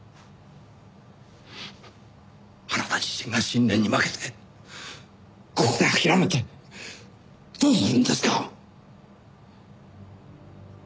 あなた自身が信念に負けてここで諦めてどうするんですか！